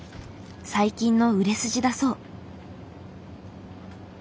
最近の売れ筋だそう。